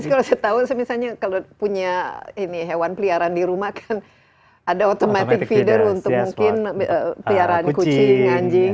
kalau saya tahu misalnya kalau punya ini hewan peliharaan di rumah kan ada automatic feeder untuk mungkin peliaran kucing anjing